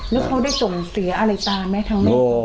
แล้วเขาได้ส่งเสียอะไรตามไหมทางแม่